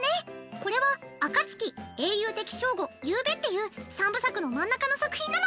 これは「暁」「英雄的正午」「夕べ」っていう三部作の真ん中の作品なの。